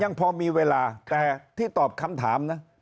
ยังพอมีเวลาแต่ที่ตอบคำถามนะ